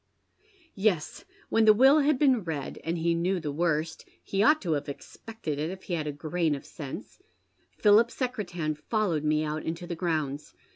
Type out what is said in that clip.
" Yes, when the will had been read, and he knew the worst — he OTight to have expected it if he had a grain of sense, — PliiJip Secretan followed me out into the grounds.